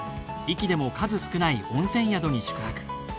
壱岐でも数少ない温泉宿に宿泊。